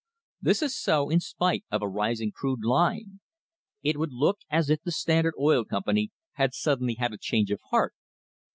This is so in spite of a rising crude line. It would look as if the Standard Oil Company had sud denly had a change of heart.